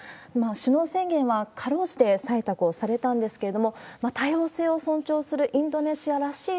首脳宣言はかろうじて採択をされたんですけれども、多様性を尊重するインドネシアらしい